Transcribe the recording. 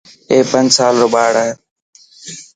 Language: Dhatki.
اي پنج سال رو ٻاڙ هي.